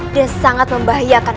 dan sangat membahayakan